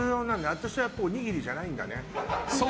私はおにぎりじゃないんだね。